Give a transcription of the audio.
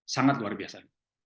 sangat luar biasa